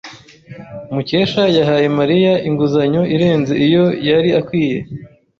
Mukesha yahaye Mariya inguzanyo irenze iyo yari akwiye.